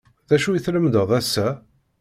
D acu i tlemdeḍ ass-a?